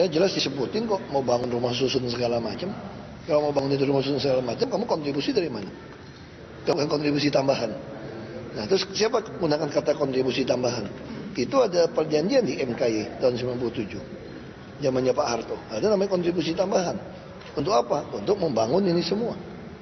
seribu sembilan ratus sembilan puluh tujuh jamannya pak harto ada namanya kontribusi tambahan untuk apa untuk membangun ini semua